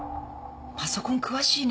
パソコン詳しいね。